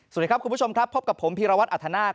สวัสดีครับคุณผู้ชมครับพบกับผมพีรวัตรอัธนาค